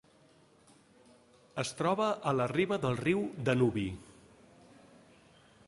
Es troba a la riba del riu Danubi.